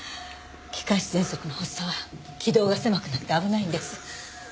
気管支喘息の発作は気道が狭くなって危ないんです。